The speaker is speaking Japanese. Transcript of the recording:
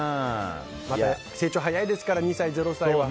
成長早いですから２歳、０歳は。